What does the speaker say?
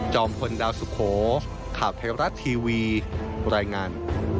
พลดาวสุโขข่าวไทยรัฐทีวีรายงาน